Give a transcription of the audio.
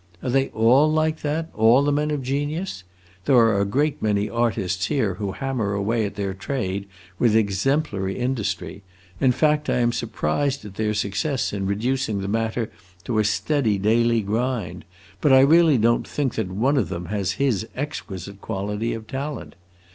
Are they all like that, all the men of genius? There are a great many artists here who hammer away at their trade with exemplary industry; in fact I am surprised at their success in reducing the matter to a steady, daily grind: but I really don't think that one of them has his exquisite quality of talent.